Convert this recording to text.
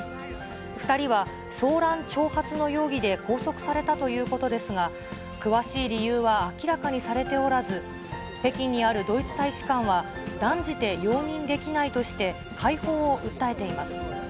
２人は騒乱挑発の容疑で拘束されたということですが、詳しい理由は明らかにされておらず、北京にあるドイツ大使館は、断じて容認できないとして解放を訴えています。